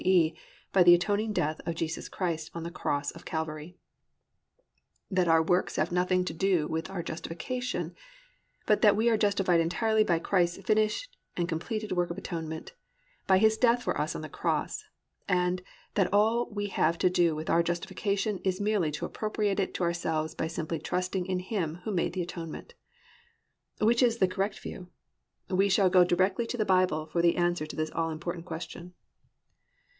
e., by the atoning death of Jesus Christ on the cross of Calvary, that our own works have nothing to do with our justification, but that we are justified entirely by Christ's finished and complete work of atonement, by His death for us on the Cross, and that all that we have to do with our justification is merely to appropriate it to ourselves by simply trusting in Him who made the atonement. Which is the correct view? We shall go directly to the Bible for the answer to this all important question.